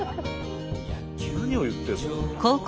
何を言ってるの。